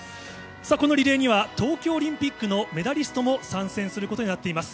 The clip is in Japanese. このリレーには東京オリンピックのメダリストも参戦することになっています。